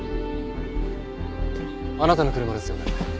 あなたの車ですよね？